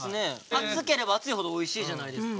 熱ければ熱いほどおいしいじゃないですか。